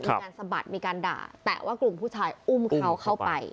สะบัดมีการด่าแต่ว่ากลุ่มผู้ชายอุ้มเขาเข้าไป